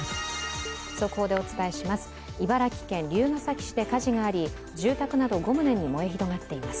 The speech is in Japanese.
速報でお伝えします。